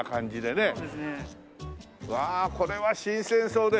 わあこれは新鮮そうで。